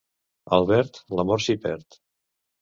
Al verd, l'amor s'hi perd.